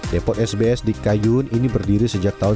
depot sbs di kayun ini berdiri sejak tahun dua ribu